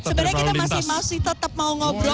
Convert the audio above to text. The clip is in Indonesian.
sebenarnya kita masih tetap mau ngobrol